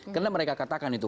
karena mereka katakan itu